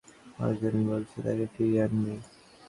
অর্জুন বলছে তাকে ফিরিয়ে আনবে?